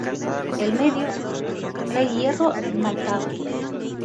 El medio es hierro esmaltado.